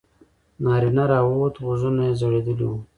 نارینه راووت غوږونه یې ځړېدلي وو.